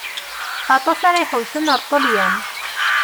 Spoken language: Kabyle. Aṭas ara iḥewsen ar Ṭelyan.